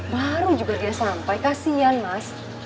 baru juga dia sampai kasian mas